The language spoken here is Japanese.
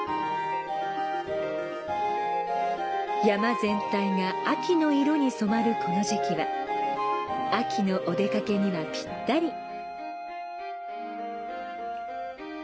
山全体が秋の色に染まるこの時期は、秋のお出かけにはぴったり。